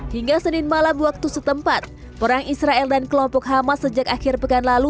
hingga senin malam waktu setempat perang israel dan kelompok hamas sejak akhir pekan lalu